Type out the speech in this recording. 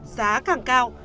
giá càng cao